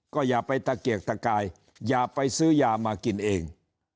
ก็อย่าไปตะเกียกตะกายอย่าไปซื้อยามากินเอง